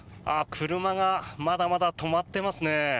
車がまだまだ止まってますね。